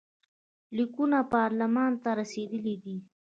لیکونه پارلمان ته رسېدلي دي.